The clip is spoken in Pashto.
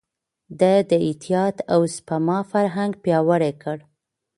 ده د احتياط او سپما فرهنګ پياوړی کړ.